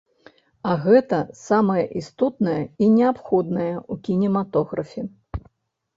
А гэта самае істотнае і неабходнае ў кінематографе.